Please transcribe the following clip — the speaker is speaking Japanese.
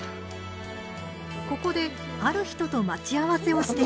ここである人と待ち合わせをしていました。